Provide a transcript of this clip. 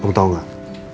om tau gak